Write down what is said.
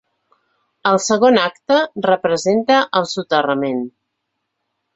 El segon acte representa el soterrament.